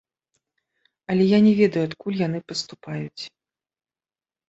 Але я не ведаю, адкуль яны паступаюць.